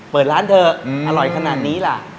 เปิดร้านเถอะอร่อยขนาดนี้ล่ะ